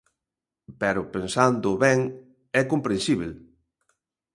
Pero pensándoo ben, é comprensíbel.